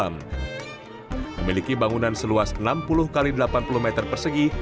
memiliki bangunan seluas enam puluh x delapan puluh meter persegi